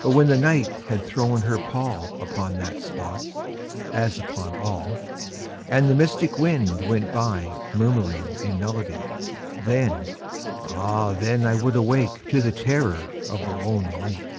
But when the Night had thrown her pall Upon that spot, as upon all, And the mystic wind went by Murmuring in melody— Then—ah then I would awake To the terror of the lone lake.